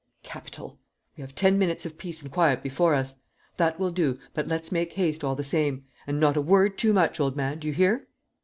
"Capital! We have ten minutes of peace and quiet before us. That will do, but let's make haste, all the same; and not a word too much, old man, do you hear?"